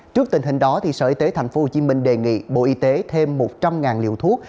trước tình hình đó sở y tế thành phố hồ chí minh đề nghị bộ y tế thêm một trăm linh liều thuốc